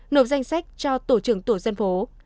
nộp danh sách cho tổ trưởng tổ dân phố